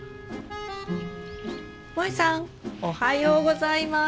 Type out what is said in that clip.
もえさんおはようございます。